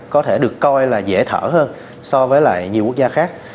có thể được coi là dễ thở hơn so với lại nhiều quốc gia khác